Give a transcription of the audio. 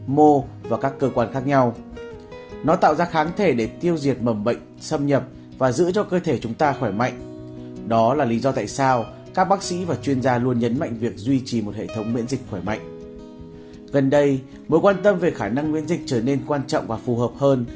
một quan tâm về khả năng nguyễn dịch trở nên quan trọng và phù hợp hơn